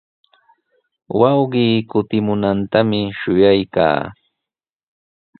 Wawqii kutimunantami shuyaykaa.